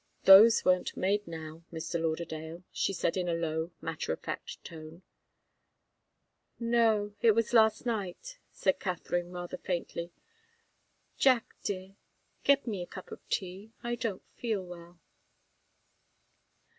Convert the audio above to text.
"Those weren't made now, Mr. Lauderdale," she said, in a low, matter of fact tone. "No it was last night," said Katharine, rather faintly. "Jack, dear get me a cup of tea. I don't feel well."